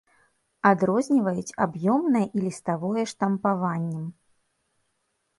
Адрозніваюць аб'ёмнае і ліставое штампаваннем.